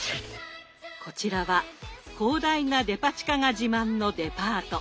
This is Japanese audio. こちらは広大なデパ地下が自慢のデパート。